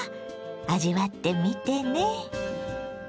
味わってみてね。